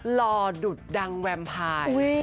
รอดุดดังแวมพาย